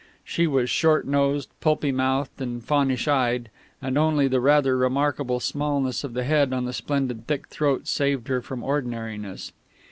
She was short nosed, pulpy mouthed and faunish eyed, and only the rather remarkable smallness of the head on the splendid thick throat saved her from ordinariness.